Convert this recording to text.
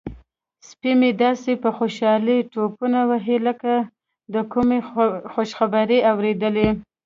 سپی مې داسې په خوشحالۍ ټوپونه وهي لکه د کومې خوشخبرۍ اوریدل.